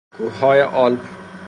کوه های آلپ